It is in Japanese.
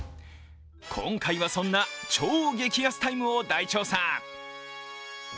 今回はそんな超激安タイムを大調査。